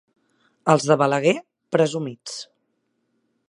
Els de Balaguer, presumits.